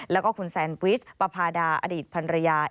แล้วก็คุณแซนวิชปภาดาอดีตพันรยา